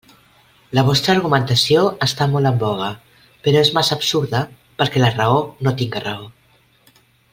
La vostra argumentació està molt en voga, però és massa absurda perquè la raó no tinga raó.